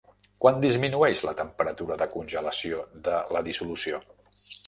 Quan disminueix la temperatura de congelació de la dissolució?